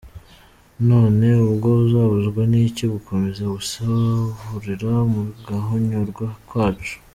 None ubwo azabuzwa n’iki gukomeza gusahurira mu guhonyorwa kwacu?